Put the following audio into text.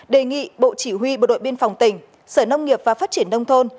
đề nghị bộ chỉ huy bộ đội biên phòng tỉnh sở nông nghiệp và phát triển đông thôn